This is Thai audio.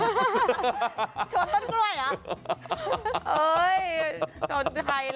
ชนต้นกล้วยเหรอ